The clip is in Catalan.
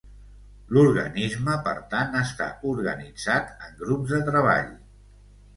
L'organisme per tant està organitzat en grups de treball.